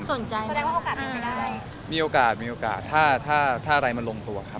สนใจมีโอกาสมีโอกาสถ้าอะไรมันลงตัวครับ